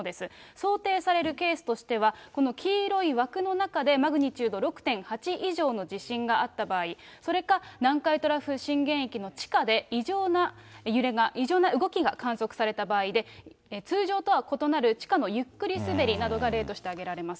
想定されるケースとしては、この黄色い枠の中でマグニチュード６．８以上の地震があった場合、それか、南海トラフ震源域の地下で、異常な揺れが、異常な動きが観測された場合で、通常とは異なる地下のゆっくり滑りなどが例として挙げられます。